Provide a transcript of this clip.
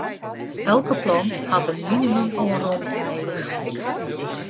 Elke plant hat in minimum oan romte nedich.